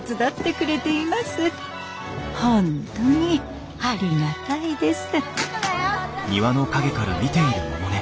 本当にありがたいです。